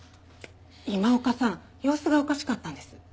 今岡さん様子がおかしかったんです。